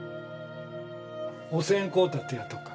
お線香立てるとか。